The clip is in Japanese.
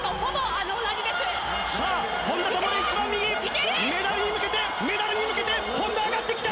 さあ、本多灯、一番右、メダルに向けて、メダルに向けて、本多上がってきた。